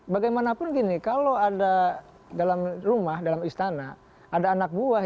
bagaimanapun gini kalau ada dalam rumah dalam istana ada anak buah